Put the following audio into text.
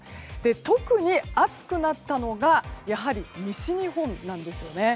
特に暑くなったのがやはり西日本なんですね。